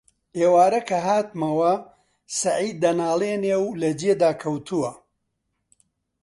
ئێوارە کە هاتمەوە سەعید دەناڵێنێ و لە جێدا کەوتووە: